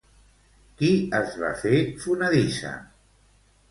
Qui es va fer fonedissa?